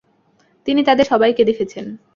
তিনি তাদের সবাইকে দেখেছেন।